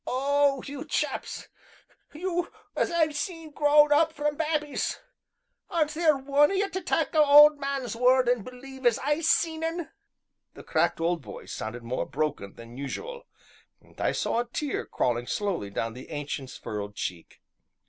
"Oh! you chaps, you as I've seen grow up from babbies aren't theer one o' ye to tak' the old man's word an' believe as I seen un?" The cracked old voice sounded more broken than usual, and I saw a tear crawling slowly down the Ancient's furrowed cheek.